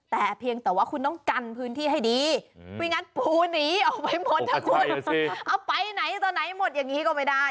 แต่เพียงแต่ว่าคุณต้องกันพื้นที่ให้ดีไม่งั้นปูหนีออกไปหมดนะคุณเอาไปไหนต่อไหนหมดอย่างนี้ก็ไม่ได้